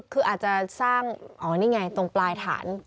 คืออาจจะสร้างอ๋อนี่ไงตรงปลายฐาน